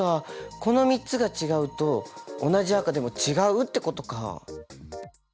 この３つが違うと同じ赤でも違うってことか。